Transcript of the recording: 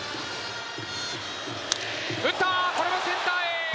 打った、これはセンターへ。